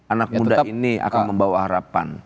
anak muda ini akan membawa harapan